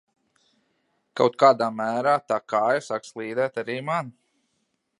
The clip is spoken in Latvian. Kaut kādā mērā tā kāja sāk slīdēt arī man...